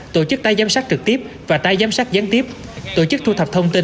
tổ chức tái giám sát trực tiếp và tái giám sát gián tiếp tổ chức thu thập thông tin